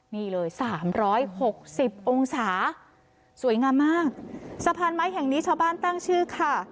นี่เลยสามร้อยหกสิบองศาสวยงามมากสะพานไม้แห่งนี้ชาวบ้านตั้งชื่อค่ะ